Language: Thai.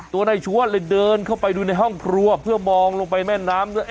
ตัวนายชวนเลยเดินเข้าไปดูในห้องครัวเพื่อมองลงไปแม่น้ำด้วย